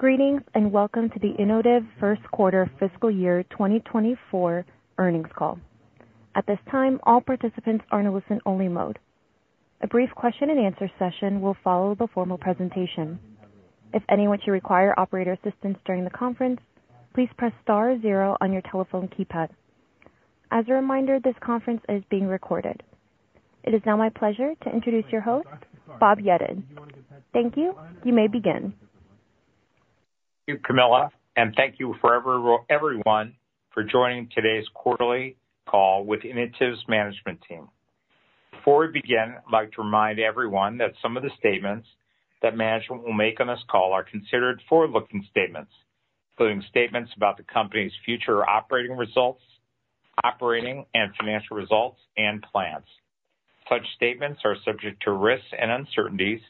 Greetings, and welcome to the Inotiv first quarter fiscal year 2024 earnings call. At this time, all participants are in listen-only mode. A brief question and answer session will follow the formal presentation. If anyone should require operator assistance during the conference, please press star zero on your telephone keypad. As a reminder, this conference is being recorded. It is now my pleasure to introduce your host, Bob Yedid. Thank you. You may begin. Thank you, Camilla, and thank you for everyone for joining today's quarterly call with Inotiv's management team. Before we begin, I'd like to remind everyone that some of the statements that management will make on this call are considered forward-looking statements, including statements about the company's future operating results, operating and financial results and plans. Such statements are subject to risks and uncertainties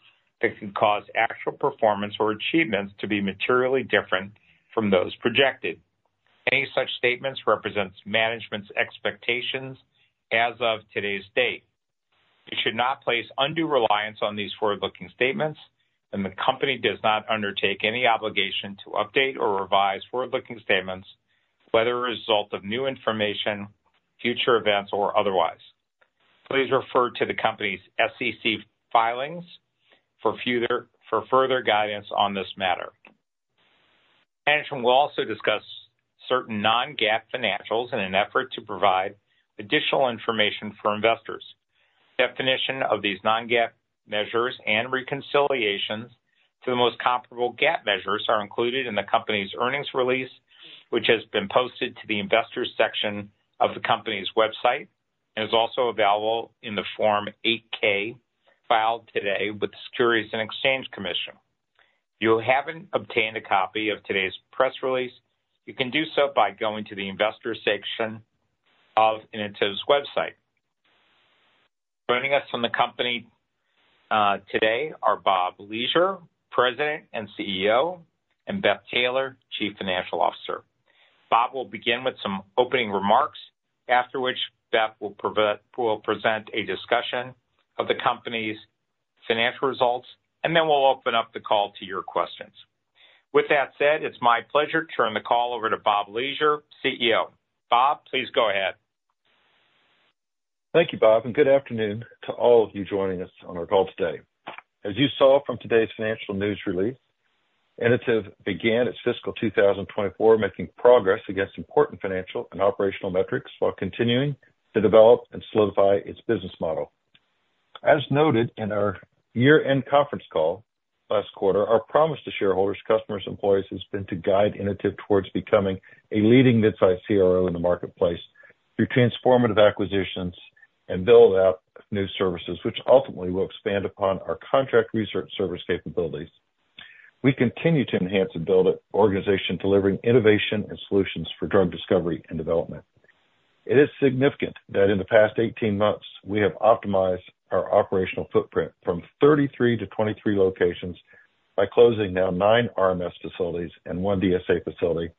that could cause actual performance or achievements to be materially different from those projected. Any such statements represents management's expectations as of today's date. You should not place undue reliance on these forward-looking statements, and the company does not undertake any obligation to update or revise forward-looking statements, whether a result of new information, future events, or otherwise. Please refer to the company's SEC filings for further guidance on this matter. Management will also discuss certain non-GAAP financials in an effort to provide additional information for investors. Definition of these non-GAAP measures and reconciliations to the most comparable GAAP measures are included in the company's earnings release, which has been posted to the Investors section of the company's website and is also available in the Form 8-K filed today with the Securities and Exchange Commission. If you haven't obtained a copy of today's press release, you can do so by going to the Investors section of Inotiv's website. Joining us from the company today are Bob Leasure, President and CEO, and Beth Taylor, Chief Financial Officer. Bob will begin with some opening remarks, after which Beth will present a discussion of the company's financial results, and then we'll open up the call to your questions. With that said, it's my pleasure to turn the call over to Bob Leasure, CEO. Bob, please go ahead. Thank you, Bob, and good afternoon to all of you joining us on our call today. As you saw from today's financial news release, Inotiv began its fiscal 2024, making progress against important financial and operational metrics while continuing to develop and solidify its business model. As noted in our year-end conference call last quarter, our promise to shareholders, customers, employees, has been to guide Inotiv towards becoming a leading midsize CRO in the marketplace through transformative acquisitions and build out new services, which ultimately will expand upon our contract research service capabilities. We continue to enhance and build an organization delivering innovation and solutions for drug discovery and development. It is significant that in the past 18 months, we have optimized our operational footprint from 33 to 23 locations by closing down nine RMS facilities and one DSA facility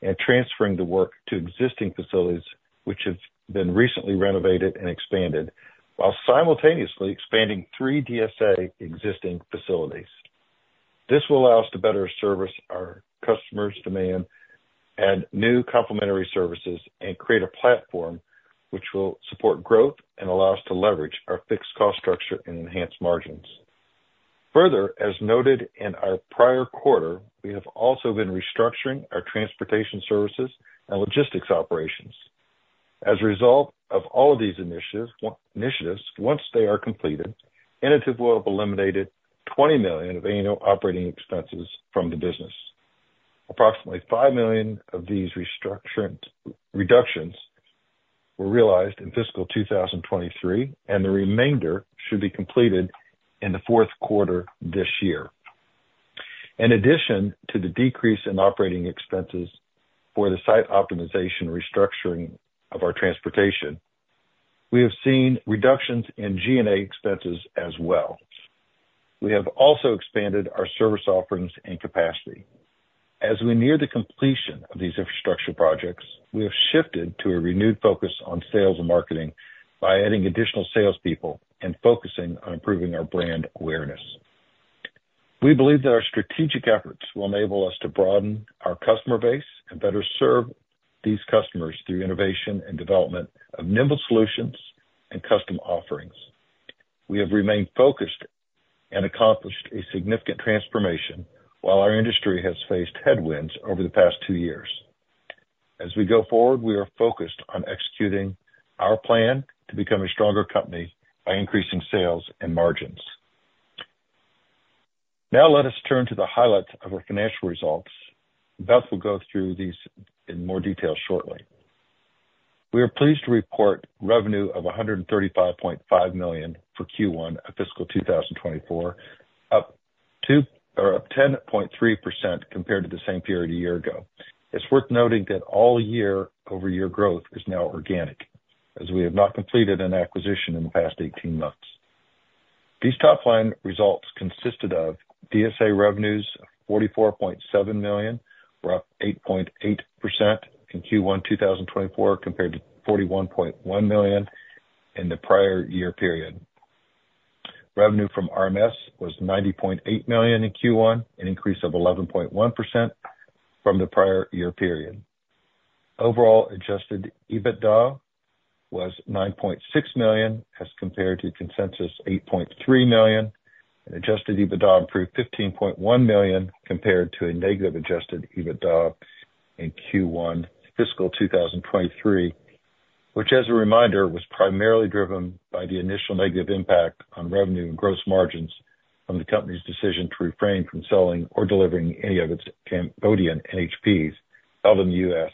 and transferring the work to existing facilities, which have been recently renovated and expanded, while simultaneously expanding three DSA existing facilities. This will allow us to better service our customers' demand, add new complementary services, and create a platform which will support growth and allow us to leverage our fixed cost structure and enhance margins. Further, as noted in our prior quarter, we have also been restructuring our transportation services and logistics operations. As a result of all of these initiatives, once they are completed, Inotiv will have eliminated $20 million of annual operating expenses from the business. Approximately $5 million of these restructuring reductions were realized in fiscal 2023, and the remainder should be completed in the fourth quarter this year. In addition to the decrease in operating expenses for the site optimization restructuring of our transportation, we have seen reductions in G&A expenses as well. We have also expanded our service offerings and capacity. As we near the completion of these infrastructure projects, we have shifted to a renewed focus on sales and marketing by adding additional salespeople and focusing on improving our brand awareness. We believe that our strategic efforts will enable us to broaden our customer base and better serve these customers through innovation and development of nimble solutions and custom offerings. We have remained focused and accomplished a significant transformation while our industry has faced headwinds over the past two years. As we go forward, we are focused on executing our plan to become a stronger company by increasing sales and margins. Now let us turn to the highlights of our financial results. Beth will go through these in more detail shortly. We are pleased to report revenue of $135.5 million for Q1 of fiscal 2024, up 10.3% compared to the same period a year ago. It's worth noting that all year-over-year growth is now organic, as we have not completed an acquisition in the past 18 months. These top-line results consisted of DSA revenues of $44.7 million, were up 8.8% in Q1 2024, compared to $41.1 million in the prior year period. Revenue from RMS was $90.8 million in Q1, an increase of 11.1% from the prior year period. Overall, adjusted EBITDA was $9.6 million, as compared to consensus $8.3 million, and adjusted EBITDA improved $15.1 million, compared to a negative adjusted EBITDA in Q1 fiscal 2023, which, as a reminder, was primarily driven by the initial negative impact on revenue and gross margins from the company's decision to refrain from selling or delivering any of its Cambodian NHPs other than U.S.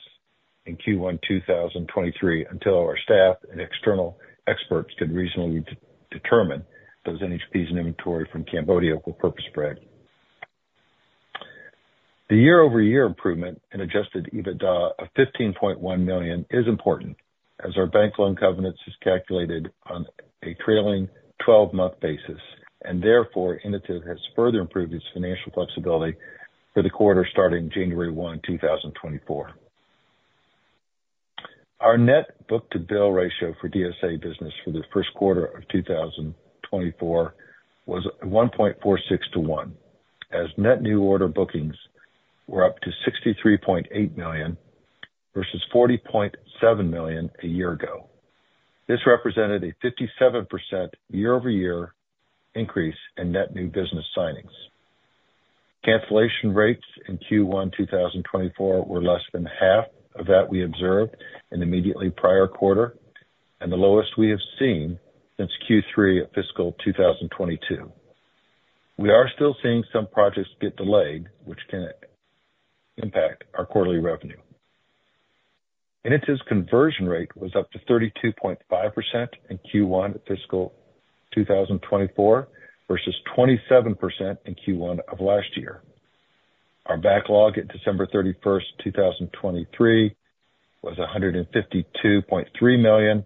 in Q1 2023, until our staff and external experts could reasonably determine those NHPs and inventory from Cambodia for purpose-bred. The year-over-year improvement in adjusted EBITDA of $15.1 million is important, as our bank loan covenants is calculated on a trailing 12-month basis, and therefore, Inotiv has further improved its financial flexibility for the quarter starting January 1, 2024. Our net book-to-bill ratio for DSA business for the first quarter of 2024 was 1.46 to 1, as net new order bookings were up to $63.8 million versus $40.7 million a year ago. This represented a 57% year-over-year increase in net new business signings. Cancellation rates in Q1 2024 were less than half of that we observed in the immediately prior quarter and the lowest we have seen since Q3 of fiscal 2022. We are still seeing some projects get delayed, which can impact our quarterly revenue. Inotiv's conversion rate was up to 32.5% in Q1 of fiscal 2024, versus 27% in Q1 of last year. Our backlog at December 31, 2023, was $152.3 million,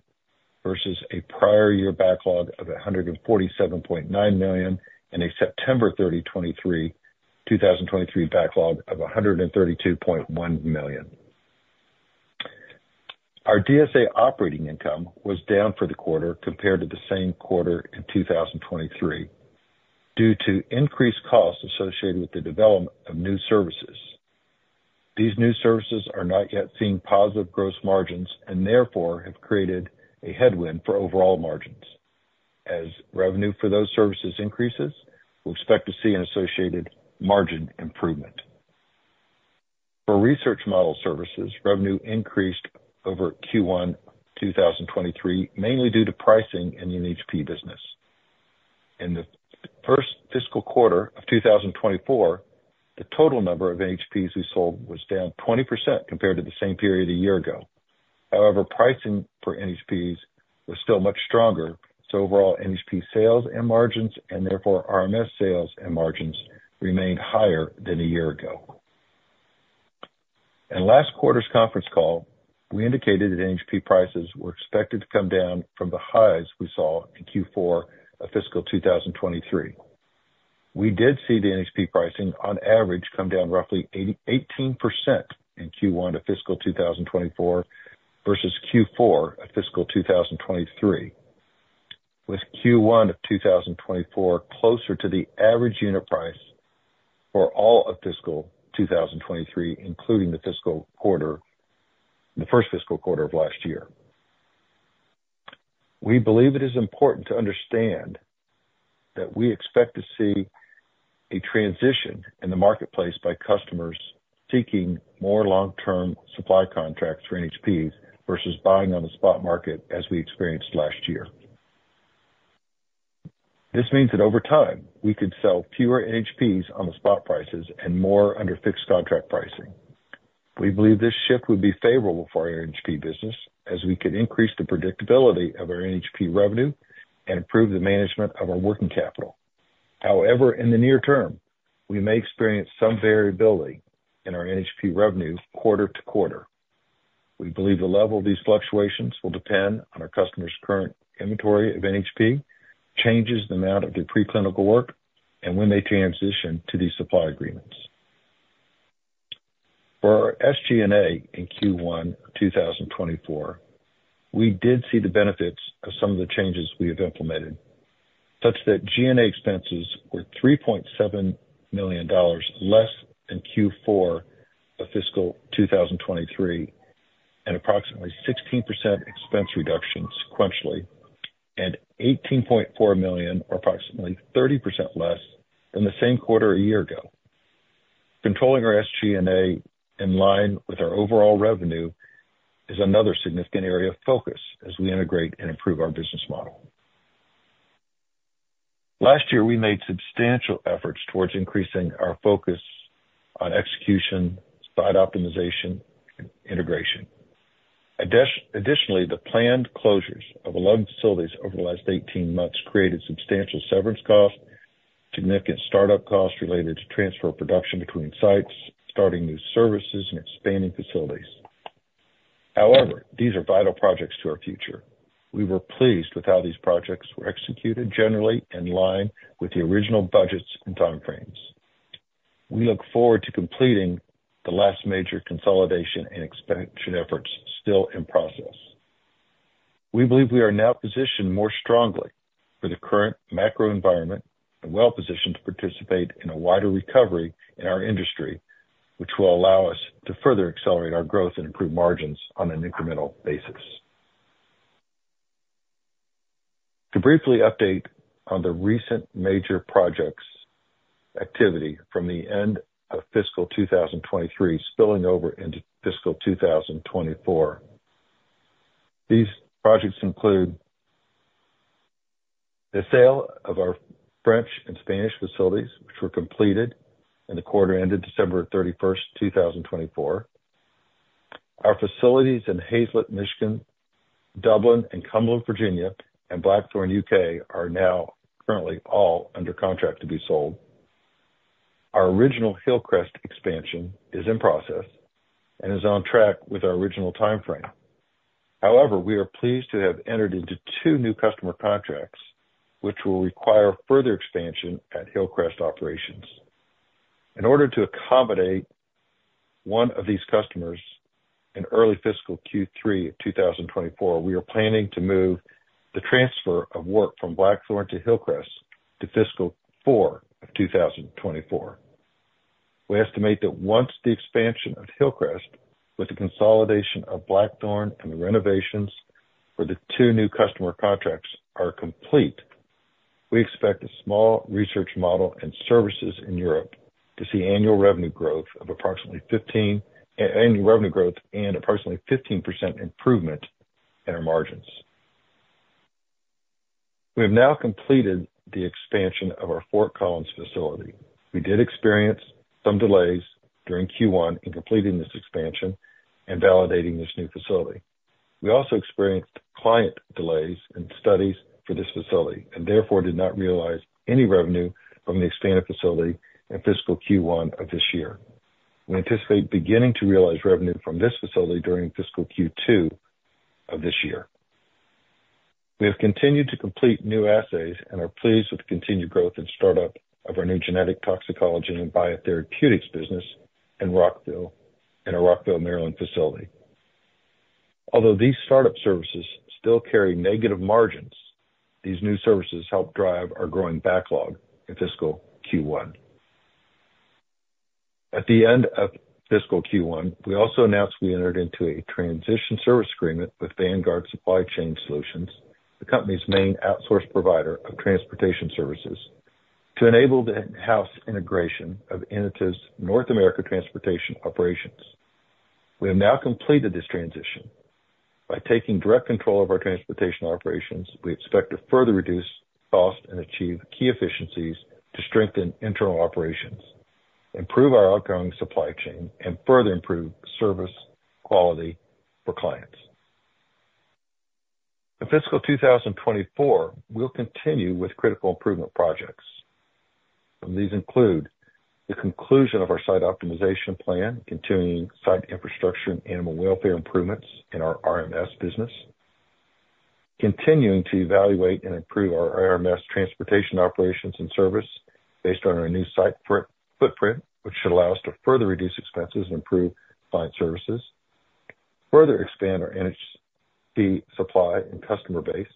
versus a prior year backlog of $147.9 million and a September 30, 2023, backlog of $132.1 million. Our DSA operating income was down for the quarter compared to the same quarter in 2023, due to increased costs associated with the development of new services. These new services are not yet seeing positive gross margins and therefore have created a headwind for overall margins. As revenue for those services increases, we expect to see an associated margin improvement. For research model services, revenue increased over Q1 2023, mainly due to pricing and NHP business. In the first fiscal quarter of 2024, the total number of NHPs we sold was down 20% compared to the same period a year ago. However, pricing for NHPs was still much stronger, so overall NHP sales and margins, and therefore RMS sales and margins, remained higher than a year ago. In last quarter's conference call, we indicated that NHP prices were expected to come down from the highs we saw in Q4 of fiscal 2023. We did see the NHP pricing on average come down roughly 8%-18% in Q1 of fiscal 2024 versus Q4 of fiscal 2023, with Q1 of 2024 closer to the average unit price for all of fiscal 2023, including the first fiscal quarter of last year. We believe it is important to understand that we expect to see a transition in the marketplace by customers seeking more long-term supply contracts for NHPs versus buying on the spot market as we experienced last year. This means that over time, we could sell fewer NHPs on the spot prices and more under fixed contract pricing. We believe this shift would be favorable for our NHP business, as we could increase the predictability of our NHP revenue and improve the management of our working capital. However, in the near term, we may experience some variability in our NHP revenue quarter-to-quarter. We believe the level of these fluctuations will depend on our customers' current inventory of NHP, changes the amount of their preclinical work, and when they transition to these supply agreements. For our SG&A in Q1 2024, we did see the benefits of some of the changes we have implemented, such that G&A expenses were $3.7 million less than Q4 of fiscal 2023, and approximately 16% expense reduction sequentially, and $18.4 million, or approximately 30% less than the same quarter a year ago. Controlling our SG&A in line with our overall revenue is another significant area of focus as we integrate and improve our business model. Last year, we made substantial efforts towards increasing our focus on execution, site optimization, and integration. Additionally, the planned closures of our facilities over the last 18 months created substantial severance costs, significant startup costs related to transfer of production between sites, starting new services, and expanding facilities. However, these are vital projects to our future. We were pleased with how these projects were executed, generally in line with the original budgets and time frames. We look forward to completing the last major consolidation and expansion efforts still in process. We believe we are now positioned more strongly for the current macro environment and well-positioned to participate in a wider recovery in our industry, which will allow us to further accelerate our growth and improve margins on an incremental basis. To briefly update on the recent major projects activity from the end of fiscal 2023 spilling over into fiscal 2024, these projects include the sale of our French and Spanish facilities, which were completed in the quarter ended December 31, 2024. Our facilities in Haslett, Michigan, Dublin, and Cumberland, Virginia, and Blackthorn, U.K., are now currently all under contract to be sold. Our original Hillcrest expansion is in process and is on track with our original time frame. However, we are pleased to have entered into two new customer contracts, which will require further expansion at Hillcrest operations. In order to accommodate one of these customers in early fiscal Q3 of 2024, we are planning to move the transfer of work from Blackthorn to Hillcrest to fiscal four of 2024. We estimate that once the expansion of Hillcrest, with the consolidation of Blackthorn and the renovations for the two new customer contracts are complete, we expect a small research models and services in Europe to see annual revenue growth of approximately 15% and approximately 15% improvement in our margins. We have now completed the expansion of our Fort Collins facility. We did experience some delays during Q1 in completing this expansion and validating this new facility. We also experienced client delays in studies for this facility and therefore did not realize any revenue from the expanded facility in fiscal Q1 of this year. We anticipate beginning to realize revenue from this facility during fiscal Q2 of this year. We have continued to complete new assays and are pleased with the continued growth and startup of our new Genetic Toxicology and Biotherapeutics business in Rockville, in our Rockville, Maryland, facility. Although these startup services still carry negative margins, these new services helped drive our growing backlog in fiscal Q1. At the end of fiscal Q1, we also announced we entered into a transition service agreement with Vanguard Supply Chain Solutions, the company's main outsource provider of transportation services, to enable the in-house integration of Inotiv's North America transportation operations. We have now completed this transition. By taking direct control of our transportation operations, we expect to further reduce costs and achieve key efficiencies to strengthen internal operations, improve our outgoing supply chain, and further improve service quality for clients. In fiscal 2024, we'll continue with critical improvement projects. These include the conclusion of our site optimization plan, continuing site infrastructure and animal welfare improvements in our RMS business, continuing to evaluate and improve our RMS transportation operations and service based on our new site footprint, which should allow us to further reduce expenses and improve client services, further expand our NHP supply and customer base,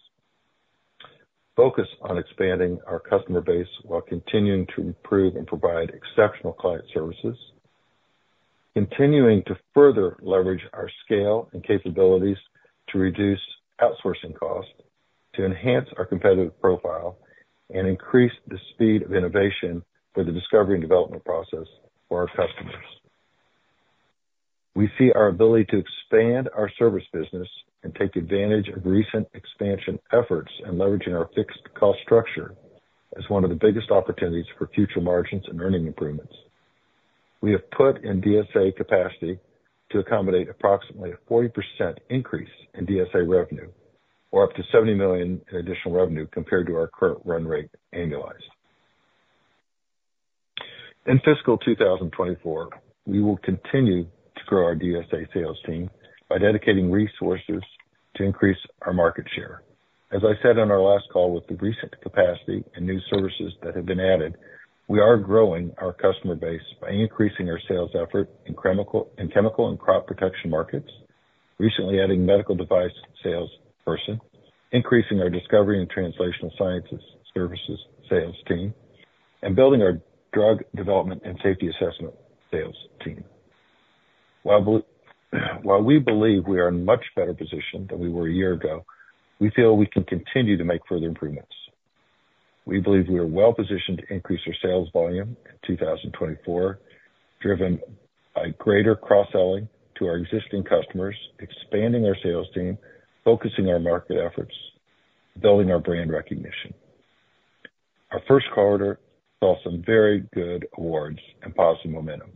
focus on expanding our customer base while continuing to improve and provide exceptional client services, continuing to further leverage our scale and capabilities to reduce outsourcing costs, to enhance our competitive profile and increase the speed of innovation for the discovery and development process for our customers. We see our ability to expand our service business and take advantage of recent expansion efforts and leveraging our fixed cost structure as one of the biggest opportunities for future margins and earning improvements. We have put in DSA capacity to accommodate approximately a 40% increase in DSA revenue, or up to $70 million in additional revenue compared to our current run rate annualized. In fiscal 2024, we will continue to grow our DSA sales team by dedicating resources to increase our market share. As I said on our last call, with the recent capacity and new services that have been added, we are growing our customer base by increasing our sales effort in chemical and crop protection markets, recently adding medical device salesperson, increasing our discovery and translational sciences services sales team, and building our drug development and safety assessment sales team. While we believe we are in a much better position than we were a year ago, we feel we can continue to make further improvements. We believe we are well positioned to increase our sales volume in 2024, driven by greater cross-selling to our existing customers, expanding our sales team, focusing our market efforts, building our brand recognition. Our first quarter saw some very good awards and positive momentum,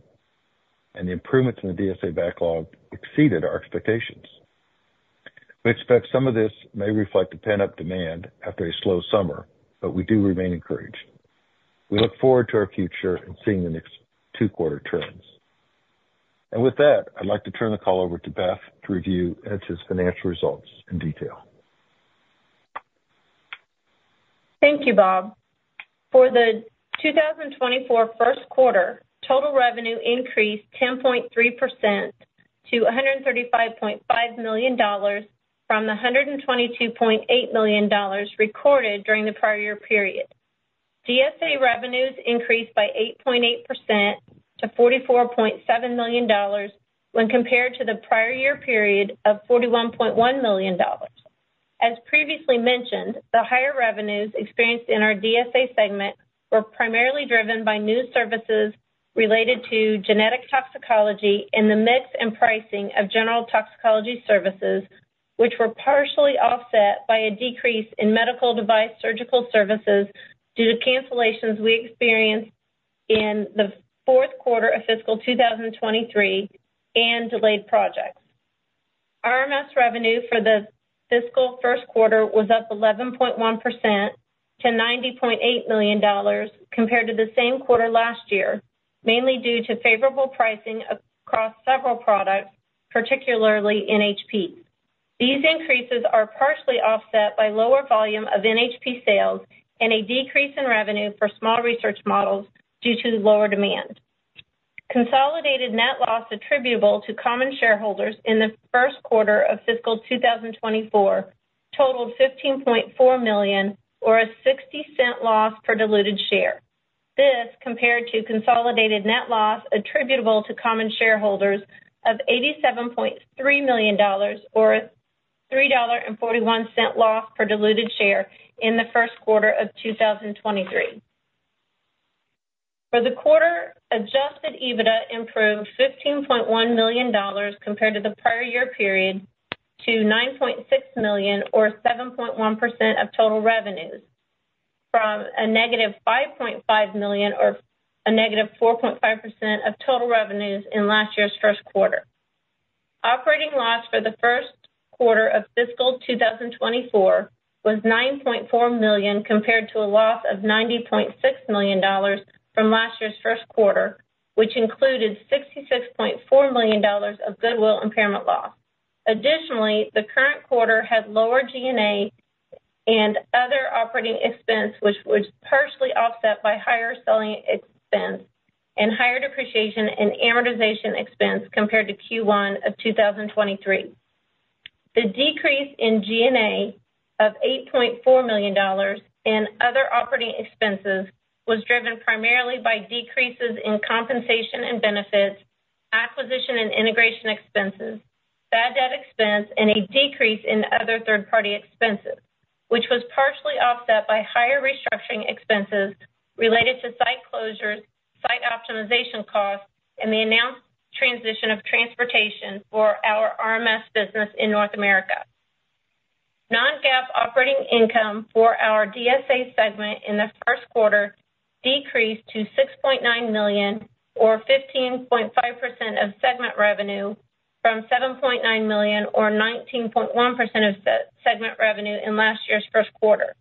and the improvements in the DSA backlog exceeded our expectations. We expect some of this may reflect a pent-up demand after a slow summer, but we do remain encouraged. We look forward to our future and seeing the next two-quarter trends. And with that, I'd like to turn the call over to Beth to review Inotiv's financial results in detail. Thank you, Bob. For the 2024 first quarter, total revenue increased 10.3% to $135.5 million from $122.8 million recorded during the prior year period. DSA revenues increased by 8.8% to $44.7 million when compared to the prior year period of $41.1 million. As previously mentioned, the higher revenues experienced in our DSA segment were primarily driven by new services related to Genetic Toxicology and the mix and pricing of general toxicology services, which were partially offset by a decrease in medical device surgical services due to cancellations we experienced in the fourth quarter of fiscal 2023 and delayed projects. RMS revenue for the fiscal first quarter was up 11.1% to $90.8 million compared to the same quarter last year, mainly due to favorable pricing across several products, particularly NHP. These increases are partially offset by lower volume of NHP sales and a decrease in revenue for small research models due to lower demand. Consolidated net loss attributable to common shareholders in the first quarter of fiscal 2024 totaled $15.4 million, or a $0.60 loss per diluted share. This compared to consolidated net loss attributable to common shareholders of $87.3 million, or a $3.41 loss per diluted share in the first quarter of 2023. For the quarter, adjusted EBITDA improved $15.1 million compared to the prior year period to $9.6 million, or 7.1% of total revenues, from -$5.5 million or -4.5% of total revenues in last year's first quarter. Operating loss for the first quarter of fiscal 2024 was $9.4 million, compared to a loss of $90.6 million from last year's first quarter, which included $66.4 million of goodwill impairment loss. Additionally, the current quarter had lower G&A and other operating expense, which was partially offset by higher selling expense and higher depreciation and amortization expense compared to Q1 of 2023. The decrease in G&A of $8.4 million and other operating expenses was driven primarily by decreases in compensation and benefits, acquisition and integration expenses, bad debt expense, and a decrease in other third-party expenses, which was partially offset by higher restructuring expenses related to site closures, site optimization costs, and the announced transition of transportation for our RMS business in North America. Non-GAAP operating income for our DSA segment in the first quarter decreased to $6.9 million or 15.5% of segment revenue from $7.9 million or 19.1% of segment revenue in last year's first quarter.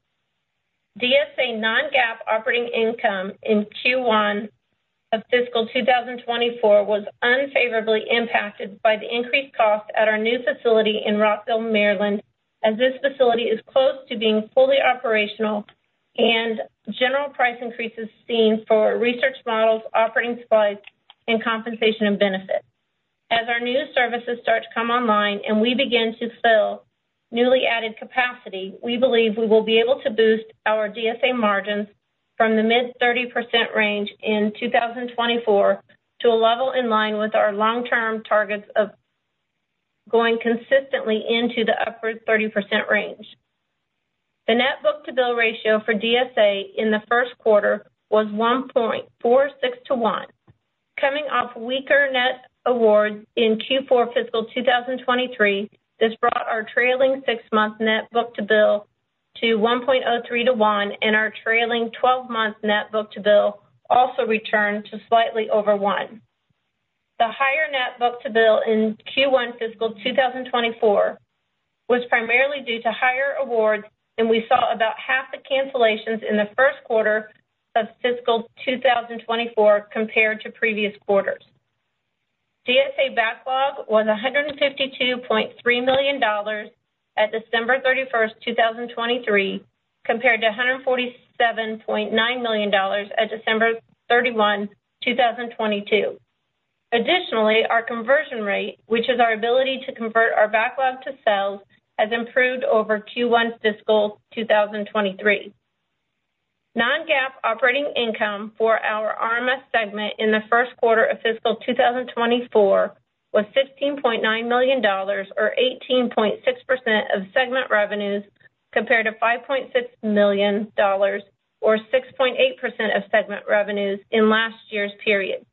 DSA non-GAAP operating income in Q1 of fiscal 2024 was unfavorably impacted by the increased cost at our new facility in Rockville, Maryland, as this facility is close to being fully operational and general price increases seen for research models, operating supplies, and compensation and benefits. As our new services start to come online and we begin to fill newly added capacity, we believe we will be able to boost our DSA margins from the mid-30% range in 2024 to a level in line with our long-term targets of going consistently into the upward 30% range. The net book-to-bill ratio for DSA in the first quarter was 1.46 to 1. Coming off weaker net awards in Q4 fiscal 2023, this brought our trailing six-month net book-to-bill to 1.03 to 1, and our trailing 12-month net book-to-bill also returned to slightly over one. The higher net book-to-bill in Q1 fiscal 2024 was primarily due to higher awards, and we saw about half the cancellations in the first quarter of fiscal 2024 compared to previous quarters. DSA backlog was $152.3 million at December 31, 2023, compared to $147.9 million at December 31, 2022. Additionally, our conversion rate, which is our ability to convert our backlog to sales, has improved over Q1 fiscal 2023. Non-GAAP operating income for our RMS segment in the first quarter of fiscal 2024 was $15.9 million, or 18.6% of segment revenues, compared to $5.6 million, or 6.8% of segment revenues in last year's period.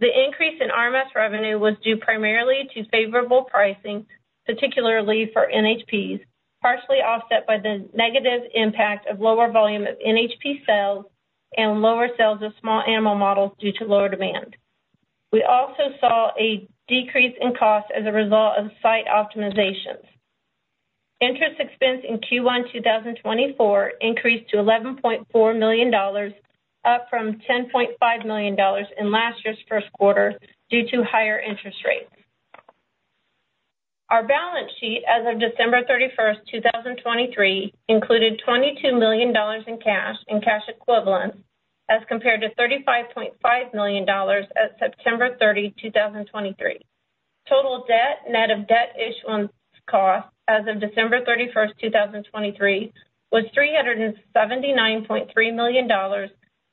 The increase in RMS revenue was due primarily to favorable pricing, particularly for NHPs, partially offset by the negative impact of lower volume of NHP sales and lower sales of small animal models due to lower demand. We also saw a decrease in cost as a result of site optimizations. Interest expense in Q1 2024 increased to $11.4 million, up from $10.5 million in last year's first quarter due to higher interest rates. Our balance sheet as of December 31, 2023, included $22 million in cash and cash equivalents, as compared to $35.5 million at September 30, 2023. Total debt, net of debt issuance costs as of December 31, 2023, was $379.3 million,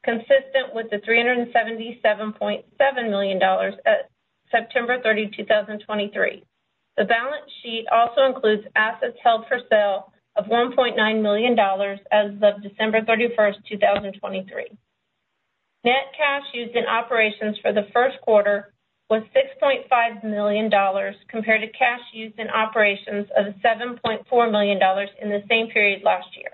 consistent with the $377.7 million at September 30, 2023. The balance sheet also includes assets held for sale of $1.9 million as of December 31, 2023. Net cash used in operations for the first quarter was $6.5 million compared to cash used in operations of $7.4 million in the same period last year.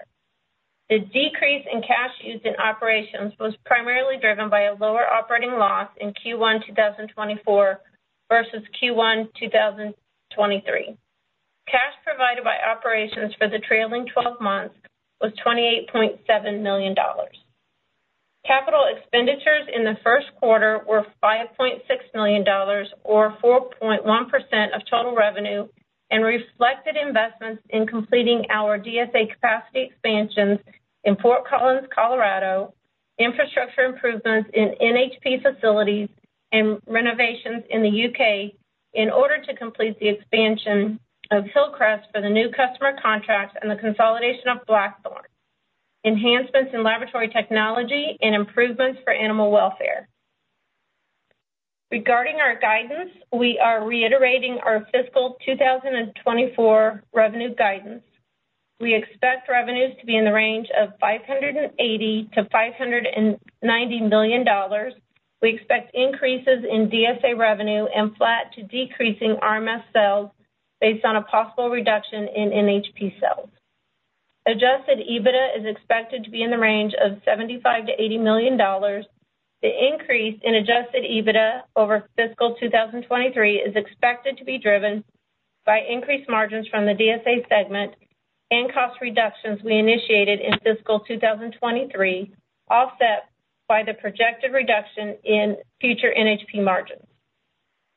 The decrease in cash used in operations was primarily driven by a lower operating loss in Q1 2024 versus Q1 2023. Cash provided by operations for the trailing twelve months was $28.7 million. Capital expenditures in the first quarter were $5.6 million or 4.1% of total revenue, and reflected investments in completing our DSA capacity expansions in Fort Collins, Colorado, infrastructure improvements in NHP facilities and renovations in the U.K. in order to complete the expansion of Hillcrest for the new customer contracts and the consolidation of Blackthorn, enhancements in laboratory technology and improvements for animal welfare. Regarding our guidance, we are reiterating our fiscal 2024 revenue guidance. We expect revenues to be in the range of $580 million-$590 million. We expect increases in DSA revenue and flat to decreasing RMS sales based on a possible reduction in NHP sales. Adjusted EBITDA is expected to be in the range of $75 million-$80 million. The increase in adjusted EBITDA over fiscal 2023 is expected to be driven by increased margins from the DSA segment and cost reductions we initiated in fiscal 2023, offset by the projected reduction in future NHP margins.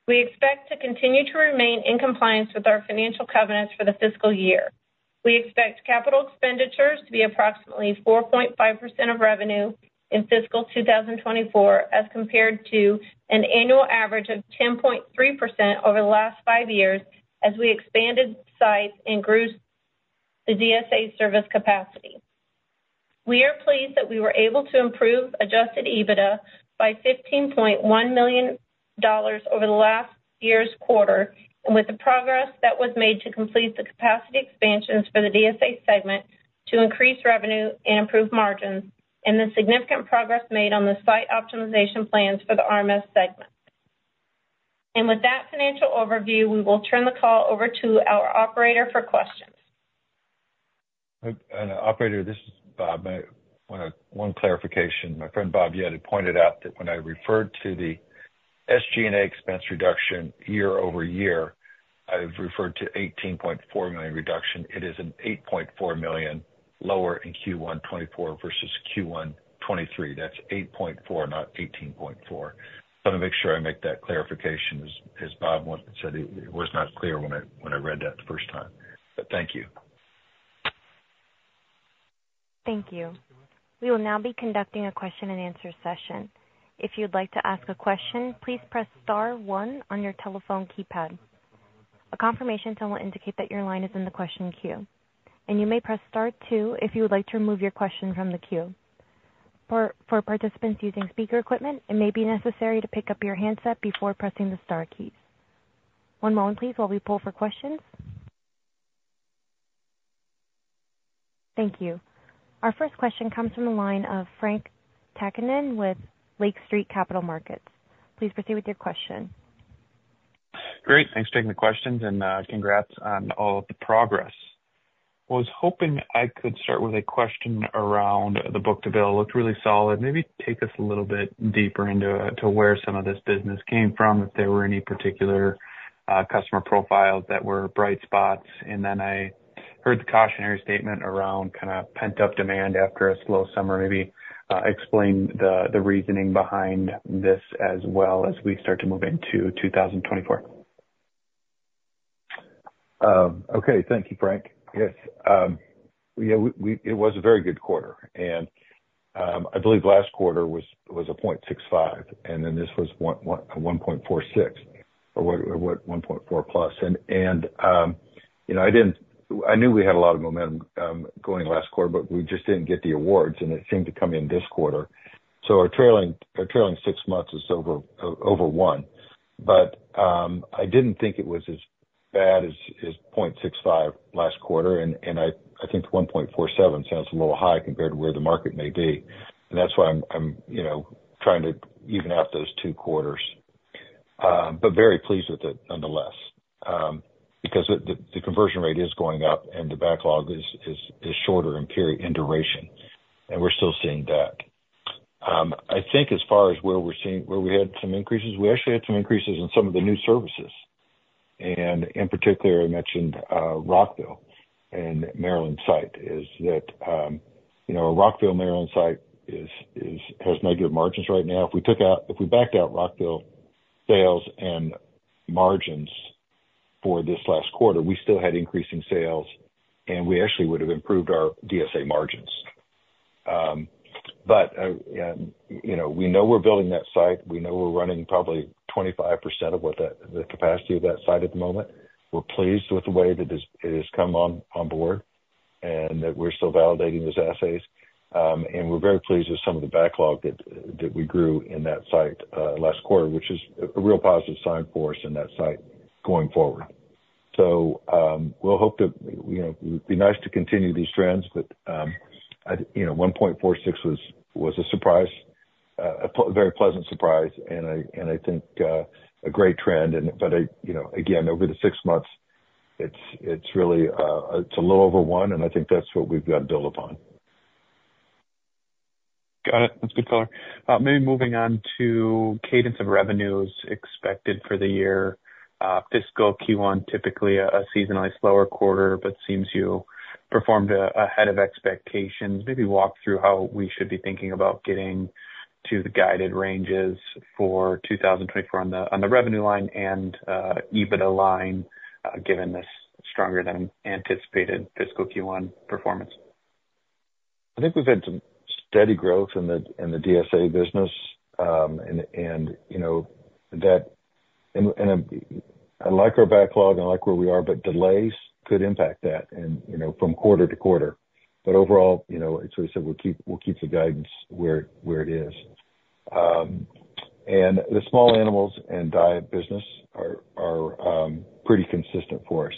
We expect to continue to remain in compliance with our financial covenants for the fiscal year. We expect capital expenditures to be approximately 4.5% of revenue in fiscal 2024, as compared to an annual average of 10.3% over the last five years as we expanded sites and grew the DSA service capacity. We are pleased that we were able to improve adjusted EBITDA by $15.1 million over the last year's quarter, and with the progress that was made to complete the capacity expansions for the DSA segment to increase revenue and improve margins, and the significant progress made on the site optimization plans for the RMS segment. With that financial overview, we will turn the call over to our operator for questions. Operator, this is Bob. I want to make one clarification. My friend Bob Yedid had pointed out that when I referred to the SG&A expense reduction year-over-year, I referred to $18.4 million reduction. It is $8.4 million lower in Q1 2024 versus Q1 2023. That's $8.4 million, not $18.4 million. I want to make sure I make that clarification, as Bob once said, it was not clear when I read that the first time. But thank you. Thank you. We will now be conducting a question and answer session. If you'd like to ask a question, please press star one on your telephone keypad. A confirmation tone will indicate that your line is in the question queue, and you may press star two if you would like to remove your question from the queue. For participants using speaker equipment, it may be necessary to pick up your handset before pressing the star keys. One moment please, while we pull for questions. Thank you. Our first question comes from the line of Frank Takkinen with Lake Street Capital Markets. Please proceed with your question. Great. Thanks for taking the questions and, congrats on all of the progress. I was hoping I could start with a question around the book-to-bill. It looked really solid. Maybe take us a little bit deeper into, to where some of this business came from, if there were any particular customer profiles that were bright spots. And then I heard the cautionary statement around kind of pent-up demand after a slow summer. Maybe, explain the, the reasoning behind this as well as we start to move into 2024. Okay. Thank you, Frank. Yes, yeah, we—it was a very good quarter, and I believe last quarter was a 0.65, and then this was 1.46 or 1.4+. And, you know, I didn't—I knew we had a lot of momentum going last quarter, but we just didn't get the awards, and it seemed to come in this quarter. So our trailing six months is over one. But I didn't think it was as bad as 0.65 last quarter, and I think 1.47 sounds a little high compared to where the market may be. And that's why I'm, you know, trying to even out those two quarters. But very pleased with it nonetheless, because the conversion rate is going up and the backlog is shorter in period in duration, and we're still seeing that. I think as far as where we had some increases, we actually had some increases in some of the new services. And in particular, I mentioned Rockville, Maryland site. You know, our Rockville, Maryland site is has negative margins right now. If we took out, if we backed out Rockville sales and margins for this last quarter, we still had increasing sales, and we actually would have improved our DSA margins. But, you know, we know we're building that site. We know we're running probably 25% of what that, the capacity of that site at the moment. We're pleased with the way that this it has come on board, and that we're still validating those assays. And we're very pleased with some of the backlog that we grew in that site last quarter, which is a real positive sign for us in that site going forward. So, we'll hope that, you know, it'd be nice to continue these trends, but, you know, 1.46 was a surprise, a very pleasant surprise, and I think a great trend. But I, you know, again, over the six months, it's really a little over one, and I think that's what we've got to build upon. Got it. That's a good color. Maybe moving on to cadence of revenues expected for the year. fiscal Q1, typically a seasonally slower quarter, but seems you performed ahead of expectations. Maybe walk through how we should be thinking about getting to the guided ranges for 2024 on the revenue line and EBITDA line, given this stronger than anticipated fiscal Q1 performance. I think we've had some steady growth in the DSA business, and you know, I like our backlog, I like where we are, but delays could impact that and, you know, from quarter-to-quarter. But overall, you know, as we said, we'll keep the guidance where it is. And the small animals and diet business are pretty consistent for us.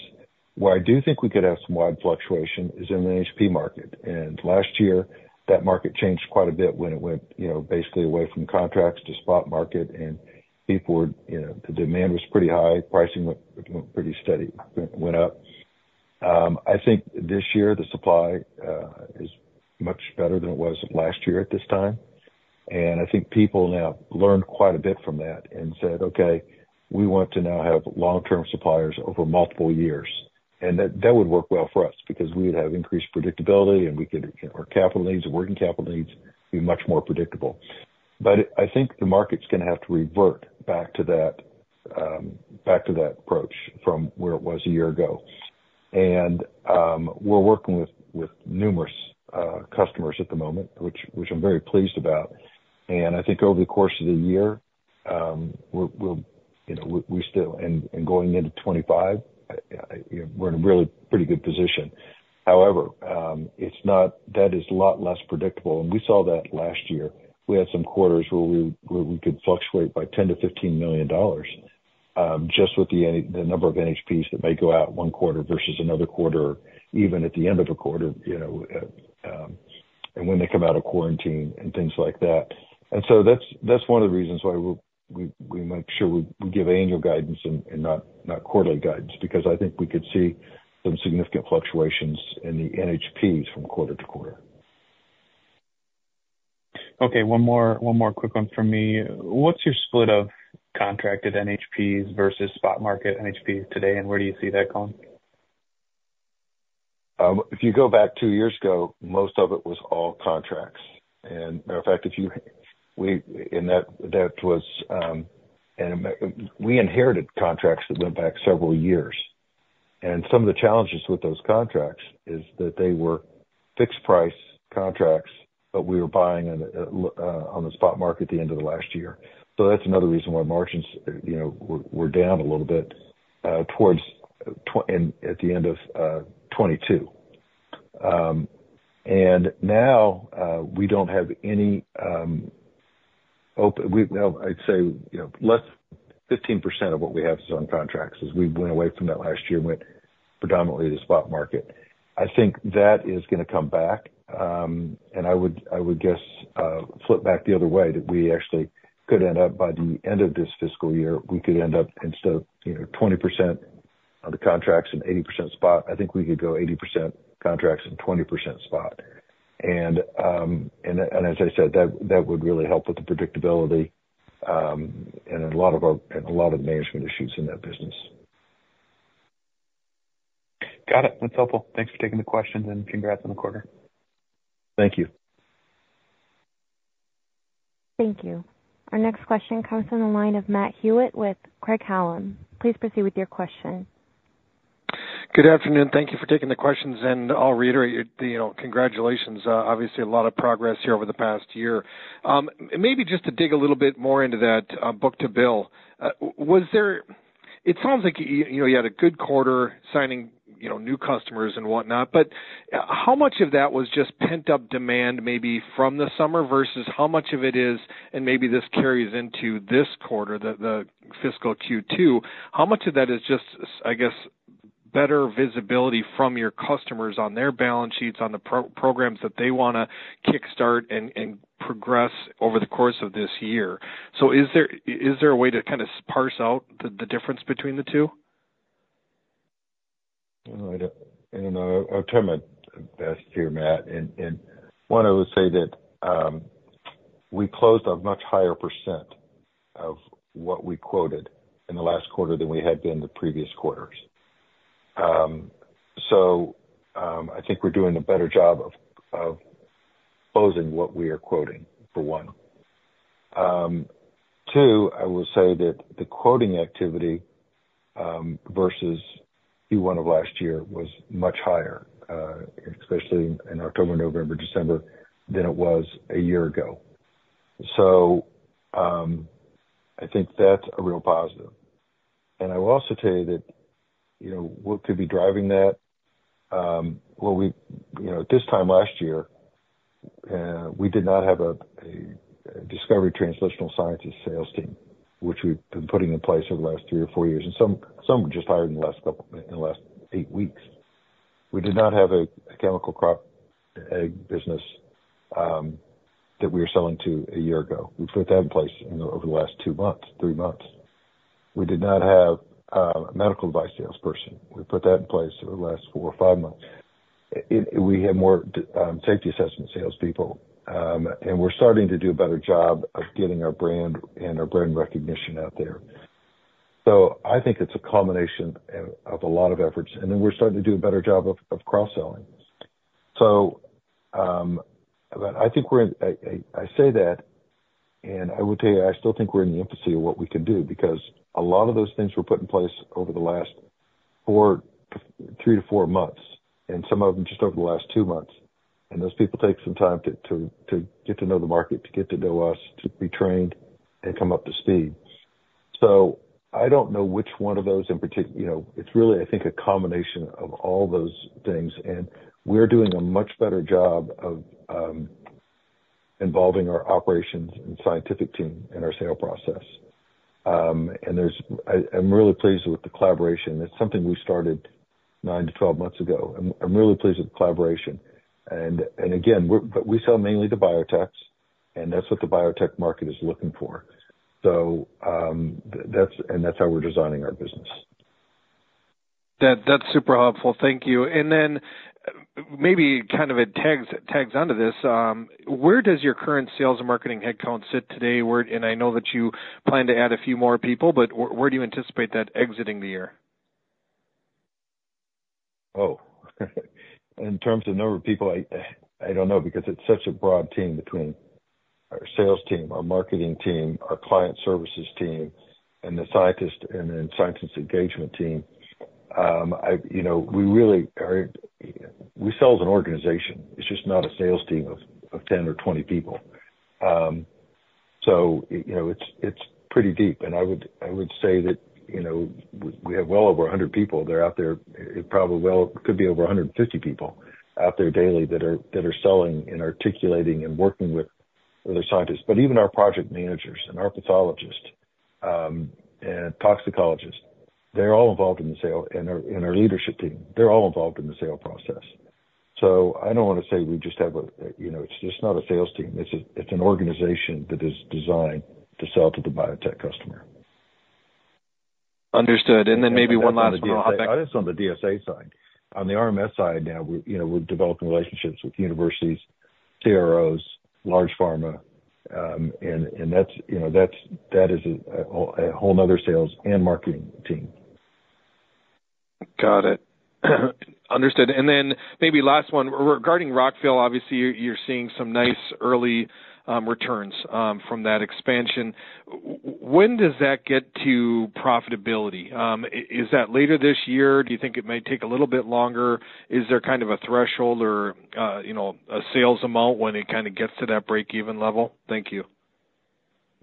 Where I do think we could have some wide fluctuation is in the NHP market, and last year, that market changed quite a bit when it went, you know, basically away from contracts to spot market. And people were, you know, the demand was pretty high. Pricing went pretty steady, went up. I think this year, the supply is much better than it was last year at this time. I think people now learned quite a bit from that and said, "Okay, we want to now have long-term suppliers over multiple years." That would work well for us because we would have increased predictability, and we could our capital needs and working capital needs be much more predictable. But I think the market's gonna have to revert back to that, back to that approach from where it was a year ago. And we're working with numerous customers at the moment, which I'm very pleased about. And I think over the course of the year, we'll you know we still... And going into 2025, we're in a really pretty good position. However, it's not. That is a lot less predictable, and we saw that last year. We had some quarters where we could fluctuate by $10 million-$15 million just with the number of NHPs that may go out one quarter versus another quarter, even at the end of a quarter, you know, and when they come out of quarantine and things like that. So that's one of the reasons why we make sure we give annual guidance and not quarterly guidance, because I think we could see some significant fluctuations in the NHPs from quarter-to-quarter. Okay, one more, one more quick one for me. What's your split of contracted NHPs versus spot market NHPs today, and where do you see that going? If you go back two years ago, most of it was all contracts. And matter of fact, that was, and we inherited contracts that went back several years. And some of the challenges with those contracts is that they were fixed price contracts, but we were buying on the spot market at the end of the last year. So that's another reason why margins, you know, were down a little bit towards the end of 2022. And now, we don't have any, well, I'd say, you know, less 15% of what we have is on contracts, as we went away from that last year and went predominantly to spot market. I think that is gonna come back. And I would, I would guess, flip back the other way, that we actually could end up, by the end of this fiscal year, we could end up instead of, you know, 20% of the contracts and 80% spot, I think we could go 80% contracts and 20% spot. And, and, and as I said, that, that would really help with the predictability, and a lot of our, and a lot of management issues in that business. Got it. That's helpful. Thanks for taking the questions and congrats on the quarter. Thank you. Thank you. Our next question comes from the line of Matt Hewitt with Craig-Hallum. Please proceed with your question. Good afternoon. Thank you for taking the questions, and I'll reiterate, you know, congratulations. Obviously a lot of progress here over the past year. Maybe just to dig a little bit more into that, book-to-bill. Was there? It sounds like, you know, you had a good quarter signing, you know, new customers and whatnot, but how much of that was just pent-up demand, maybe from the summer, versus how much of it is, and maybe this carries into this quarter, the fiscal Q2, how much of that is just, I guess, better visibility from your customers on their balance sheets, on the programs that they want to kickstart and progress over the course of this year? So is there a way to kind of parse out the difference between the two? I don't know. I'll try my best here, Matt, and one, I would say that we closed a much higher percent of what we quoted in the last quarter than we had been the previous quarters. So, I think we're doing a better job of closing what we are quoting, for one. Two, I will say that the quoting activity versus Q1 of last year was much higher, especially in October, November, December, than it was a year ago. So, I think that's a real positive. And I will also tell you that, you know, what could be driving that, well, we, you know, at this time last year, we did not have a discovery translational sciences sales team, which we've been putting in place over the last three or four years, and some just hired in the last eight weeks. We did not have a chemical CRO business that we were selling to a year ago. We put that in place, you know, over the last two months, three months. We did not have a medical device salesperson. We put that in place over the last four or five months. We have more safety assessment salespeople, and we're starting to do a better job of getting our brand and our brand recognition out there. So I think it's a combination of a lot of efforts, and then we're starting to do a better job of cross-selling. So I think we're in the infancy of what we can do, because a lot of those things were put in place over the last three to four months, and some of them just over the last two months. And those people take some time to get to know the market, to get to know us, to be trained and come up to speed. So I don't know which one of those. You know, it's really, I think, a combination of all those things, and we're doing a much better job of involving our operations and scientific team in our sales process. I'm really pleased with the collaboration. It's something we started nine to 12 months ago. I'm really pleased with the collaboration. And again, but we sell mainly to biotechs, and that's what the biotech market is looking for. So, that's how we're designing our business. That's super helpful. Thank you. And then maybe kind of a tacks onto this. Where does your current sales and marketing headcount sit today? Where... And I know that you plan to add a few more people, but where do you anticipate that exiting the year? Oh, in terms of number of people, I, I don't know, because it's such a broad team between our sales team, our marketing team, our client services team, and the scientist, and then scientist engagement team. I, you know, we really are, we sell as an organization. It's just not a sales team of, of 10 or 20 people. So, you know, it's, it's pretty deep. And I would, I would say that, you know, we, we have well over 100 people that are out there. It probably well, could be over 150 people out there daily that are, that are selling and articulating and working with other scientists. But even our project managers and our pathologists, and toxicologists, they're all involved in the sale, and our, and our leadership team, they're all involved in the sale process. So I don't want to say we just have a, you know, it's just not a sales team. It's an organization that is designed to sell to the biotech customer. Understood. And then maybe one last- That's on the DSA side. On the RMS side, now, we're, you know, we're developing relationships with universities, CROs, large pharma, and that's, you know, that is a whole other sales and marketing team. Got it. Understood. And then maybe last one. Regarding Rockville, obviously, you're seeing some nice early returns from that expansion. When does that get to profitability? Is that later this year? Do you think it may take a little bit longer? Is there kind of a threshold or, you know, a sales amount when it kind of gets to that break-even level? Thank you.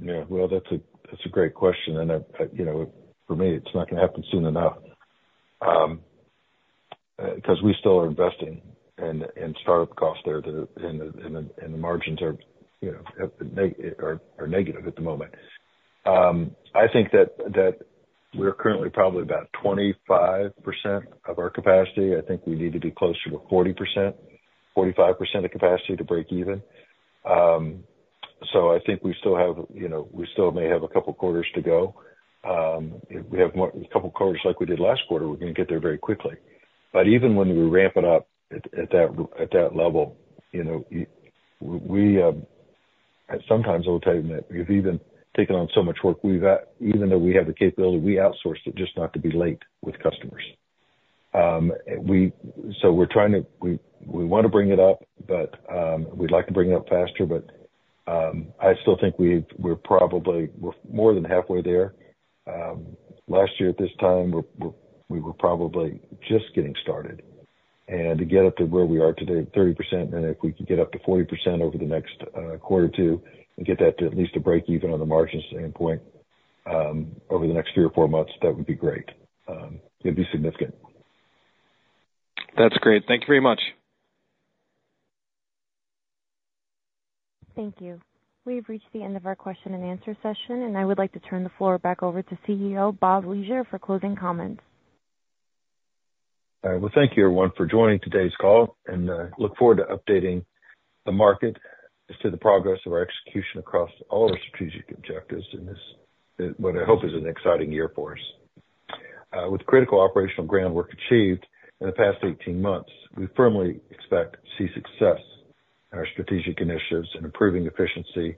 Yeah, well, that's a great question, and I... You know, for me, it's not gonna happen soon enough. Because we still are investing in start-up costs there, and the margins are, you know, negative at the moment. I think that we're currently probably about 25% of our capacity. I think we need to be closer to 40%-45% of capacity to break even. So I think we still have, you know, we still may have a couple quarters to go. If we have more, a couple quarters like we did last quarter, we're gonna get there very quickly. But even when we ramp it up at that level, you know, sometimes I'll tell you that we've even taken on so much work, we've even though we have the capability, we outsource it just not to be late with customers. So we're trying to bring it up, but we'd like to bring it up faster, but I still think we're probably more than halfway there. Last year at this time, we were probably just getting started. And to get up to where we are today, at 30%, and if we can get up to 40% over the next quarter or two, and get that to at least a break even on the margins standpoint, over the next three or four months, that would be great. It'd be significant. That's great. Thank you very much. Thank you. We've reached the end of our question and answer session, and I would like to turn the floor back over to CEO, Bob Leasure, for closing comments. All right. Well, thank you everyone for joining today's call, and look forward to updating the market as to the progress of our execution across all of our strategic objectives in this, what I hope is an exciting year for us. With critical operational groundwork achieved in the past 18 months, we firmly expect to see success in our strategic initiatives in improving efficiency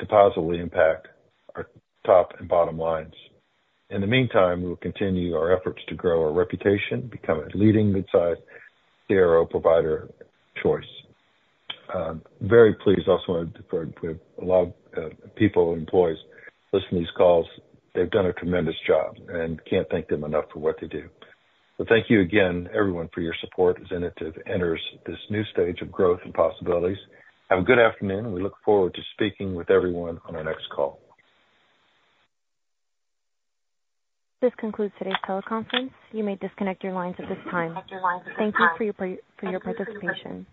to positively impact our top and bottom lines. In the meantime, we'll continue our efforts to grow our reputation, become a leading mid-size CRO provider choice. Very pleased. Also, want to put a lot of people, employees, listen to these calls. They've done a tremendous job, and can't thank them enough for what they do. So thank you again, everyone, for your support, as Inotiv enters this new stage of growth and possibilities. Have a good afternoon, and we look forward to speaking with everyone on our next call. This concludes today's teleconference. You may disconnect your lines at this time. Thank you for your participation.